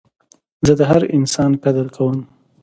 زه د هر انسان قدر کوم.